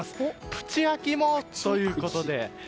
プチ秋もということで。